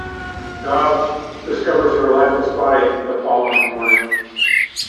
Dov discovers her lifeless body the following morning.